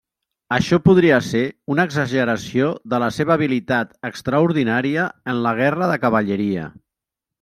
Això podria ser una exageració de la seva habilitat extraordinària en la guerra de cavalleria.